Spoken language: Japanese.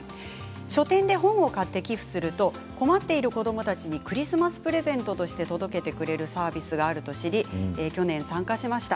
書店で本を買って寄付すると困っている子どもたちにクリスマスプレゼントとして届けてくれるサービスがあると知り去年、参加しました。